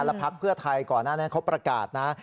แล้วพักเพื่อไทยก่อนหน้านั้นเขาประกาศนะ